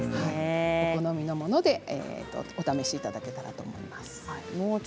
お好みのものでお楽しみいただけたらいいと思います。